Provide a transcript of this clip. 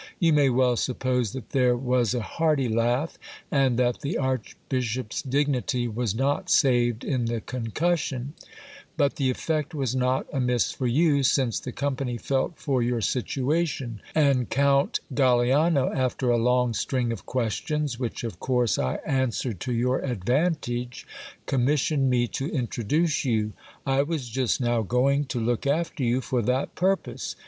You may well suppose that there was a hearty laugh, and that the archbishop's dignity was not saved in the concussion ; but the effect was not amiss for you, since the company felt for your situation ; and Count Galiano, after a long string of questions, which of course I answered to your advantage, commissioned me to introduce you. I was just now going to look after you for that purpose.